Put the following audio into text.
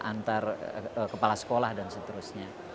antar kepala sekolah dan seterusnya